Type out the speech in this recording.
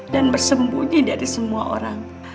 dan bersembunyi dari semua orang